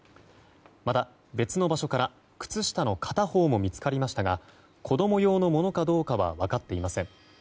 また、別の場所から靴下の片方も見つかりましたが子供用のものかどうかは分かっていません。